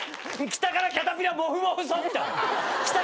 北からキャタピラモフモフ祖父来た。